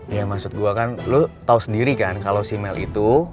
ya maksud gue kan lo tau sendiri kan kalo si mel itu